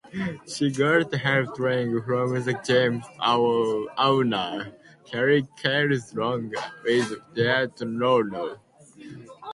She got help training from the gym owner, Kerry Kayes, along with Diane Royle.